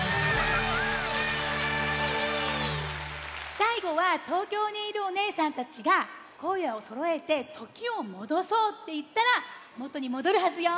さいごは東京にいるおねえさんたちがこえをそろえて「ときをもどそう！」っていったらもとにもどるはずよ。